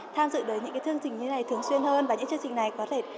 tham dự được những chương trình như thế này thường xuyên hơn và những chương trình này có thể